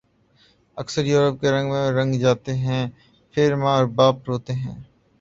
اکثر یورپ کے رنگ میں رنگ جاتے ہیں پھر ماں باپ روتے ہیں